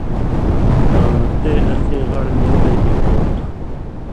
آں تے اسیں غاڑ نِوَلئ نی ہو تُھو